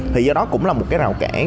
thì do đó cũng là một cái rào cản